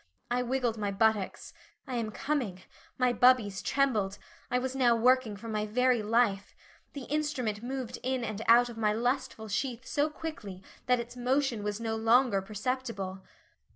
I wriggled my buttocks I am coming my bubbies trembled I was now working for my very life the instrument moved in and out of my lustful sheath so quickly that its motion was no longer perceptible.